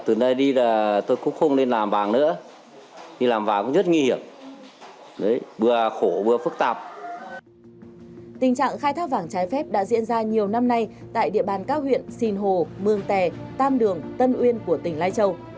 tại địa bàn các huyện sìn hồ mương tè tam đường tân uyên của tỉnh lai châu